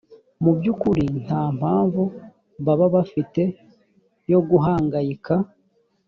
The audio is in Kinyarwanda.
mu by’ukuri nta mpamvu baba bafite yo guhangayika